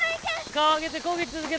顔上げてこぎ続け